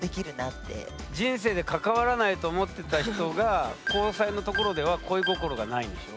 人生で関わらないと思ってた人が交際のところでは恋心がないんでしょ。